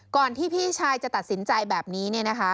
ก่อนที่พี่ชายจะตัดสินใจแบบนี้